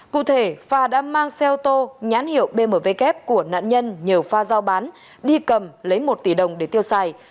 cụ thể phà đã mang xe ô tô nhãn hiệu bmw kép của nạn nhân nhờ pha giao bán đi cầm lấy một tỷ đồng để tiêu xài